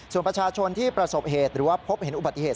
ส่วนประชาชนที่ประสบเหตุหรือว่าพบเห็นอุบัติเหตุ